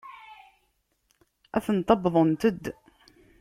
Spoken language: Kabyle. Atent-a wwḍent-d.